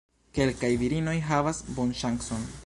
Kelkaj virinoj havas bonŝancon.